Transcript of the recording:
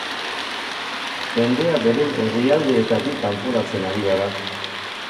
Jendea beren herrialdeetatik kanporatzen ari gara.